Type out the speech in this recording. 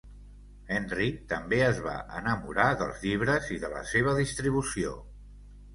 Henry també es va enamorar dels llibres i de la seva distribució.